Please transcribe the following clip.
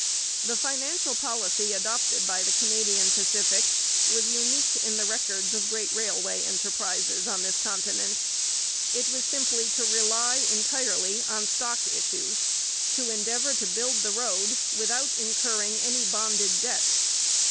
The financial policy adopted by the Canadian Pacific was unique in the records of great railway enterprises on this continent. It was simply to rely entirely on stock issues, to endeavour to build the road without incurring any bonded debt.